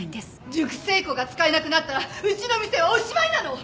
熟成庫が使えなくなったらうちの店はおしまいなの！